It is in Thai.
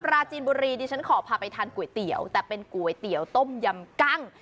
ราจีนบุรีดิฉันขอพาไปทานก๋วยเตี๋ยวแต่เป็นก๋วยเตี๋ยวต้มยำกั้ง